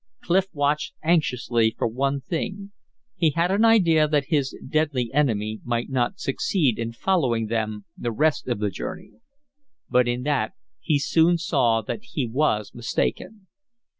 Clif watched anxiously for one thing; he had an idea that his deadly enemy might not succeed in following them the rest of the journey. But in that he soon saw that he was mistaken.